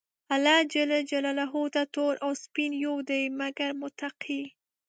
الله ج ته تور او سپين يو دي، مګر متقي.